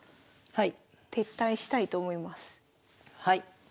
はい。